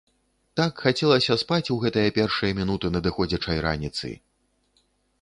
Так хацелася спаць у гэтыя першыя мінуты надыходзячай раніцы!